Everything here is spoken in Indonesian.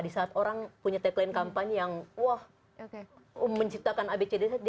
di saat orang punya tagline kampanye yang wah menciptakan abcd